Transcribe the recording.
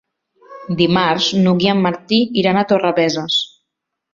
Dimarts n'Hug i en Martí iran a Torrebesses.